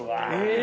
え